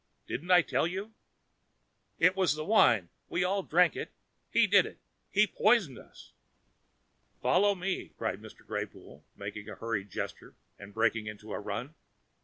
Didn't I tell you?" "It was the wine and we all drank it. He did it, he poisoned us!" "Follow me!" cried Mr. Greypoole, making a hurried gesture and breaking into a run.